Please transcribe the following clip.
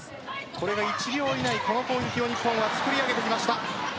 これが１秒以内この攻撃を日本は作り上げてきました。